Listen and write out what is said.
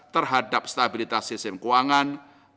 terhadap stabilitas sistem keuangan